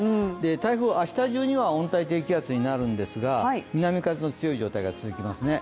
台風明日中には、温帯低気圧になるんですが南風の強い状態が続きますね。